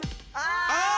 あ！